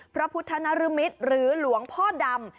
พระพุทธนรมิตรหรือหลวงพ่อดำ